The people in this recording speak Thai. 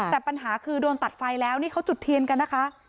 แต่ปัญหาคือโดนตัดไฟแล้วนี่เขาจุดเทียนกันนะคะ